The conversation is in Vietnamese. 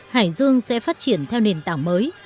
hải dương sẽ phát triển theo nền tảng mới